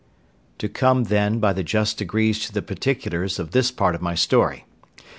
To come, then, by the just degrees to the particulars of this part of my story.